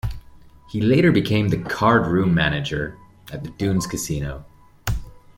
He later became the card room manager at the Dunes casino.